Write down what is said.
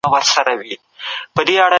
ځینې خلک فشار ژر احساسوي.